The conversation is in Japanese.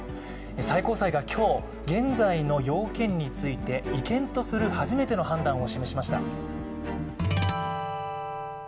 最高裁が今日、現在の要件について違憲とする初めての判断を示しました。